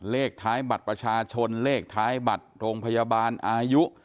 เลขท้ายบัตรประชาชนเลขท้ายบัตรโรงพยาบาลอายุ